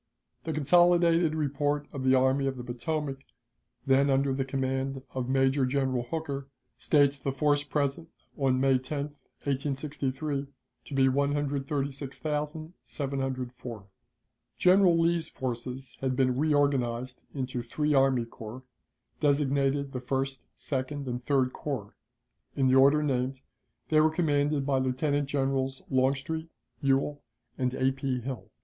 The consolidated report of the Army of the Potomac, then under the command of Major General Hooker, states the force present on May 10, 1863, to be 136,704. General Lee's forces had been reorganized into three army corps, designated the First, Second, and Third Corps. In the order named, they were commanded by Lieutenant Generals Longstreet, Ewell, and A. P. Hill.